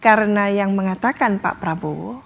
karena yang mengatakan pak prabowo